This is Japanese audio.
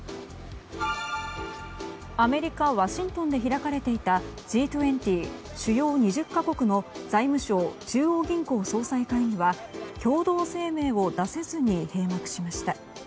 アメリカ・ワシントンで開かれていたＧ２０・主要２０か国の財務相・中央銀行総裁会議は共同声明を出せずに閉幕しました。